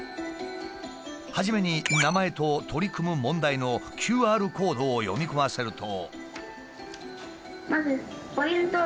初めに名前と取り組む問題のＱＲコードを読み込ませると。